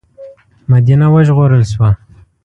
مدینه وژغورل شوه.